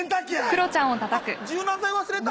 あっ柔軟剤忘れた。